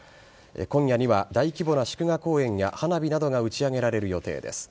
今夜には大規模な祝賀公演や花火などが打ち上げられる予定です。